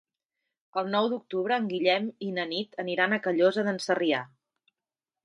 El nou d'octubre en Guillem i na Nit aniran a Callosa d'en Sarrià.